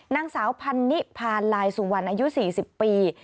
นางสาวพันนิพานลายสุวรรณอายุ๔๐ปี